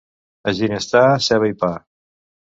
A Ginestar, ceba i pa.